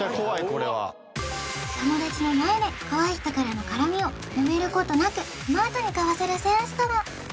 これは友達の前で怖い人からの絡みをもめることなくスマートにかわせるセンスとは？